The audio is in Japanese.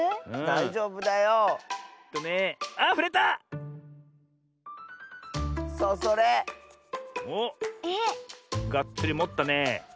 がっつりもったねえ。